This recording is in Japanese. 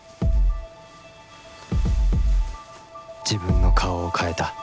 自分の顔を変えた。